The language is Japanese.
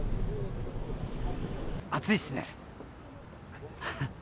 暑いっすね。